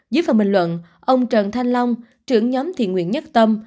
dưới phần bình luận ông trần thanh long trưởng nhóm thiện nguyện nhất tâm